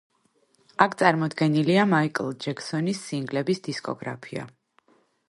აქ წარმოდგენილია მაიკლ ჯექსონის სინგლების დისკოგრაფია.